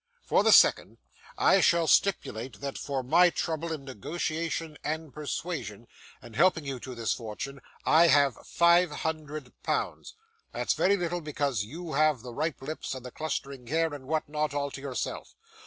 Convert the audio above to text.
For the second, I shall stipulate that for my trouble in negotiation and persuasion, and helping you to this fortune, I have five hundred pounds. That's very little, because you have the ripe lips, and the clustering hair, and what not, all to yourself.